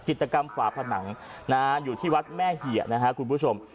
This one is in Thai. กิจกรรมฝาผนังอยู่ที่วัดแม่เหี่ยนะครับคุณผู้ชม